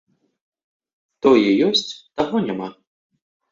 Тое ёсць, таго няма.